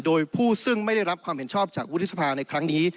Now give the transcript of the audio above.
โดยผู้ซึ่งไม่ได้รับความเห็นชอบจากวุฒิสภาในครั้งนี้